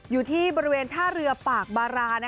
อยู่ที่บริเวณท่าเรือปากบารา